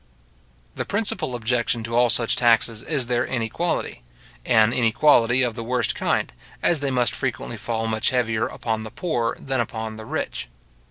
The principal objection to all such taxes is their inequality; an inequality of the worst kind, as they must frequently fall much heavier upon the poor than upon the rich.